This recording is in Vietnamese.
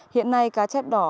hiện nay cá chép đỏ